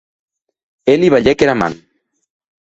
E li balhèc era man.